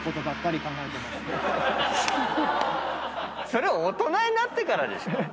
それ大人になってからでしょ？